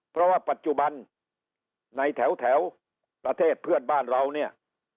เพราะว่าปัจจุบันในแถวประเทศเพื่อนบ้านเราเนี่ย